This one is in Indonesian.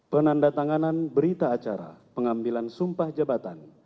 penanda tanganan berita acara pengambilan sumpah jabatan